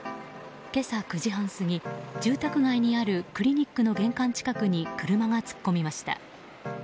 今朝９時半過ぎ、住宅街にあるクリニックの玄関近くに車が突っ込みました。